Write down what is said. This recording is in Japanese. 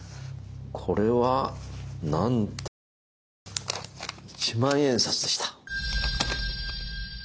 これはなんと一万円札でした。